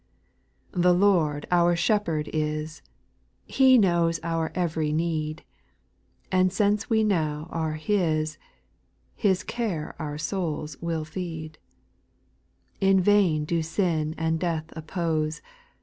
't3' 4. The Lord our Shepherd is, He knows our every need; And since we now are His, His care our souls will feed : In vain do sin and death oppose.